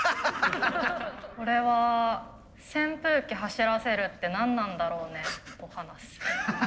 これは「扇風機走らせるって何なんだろうね」と話す。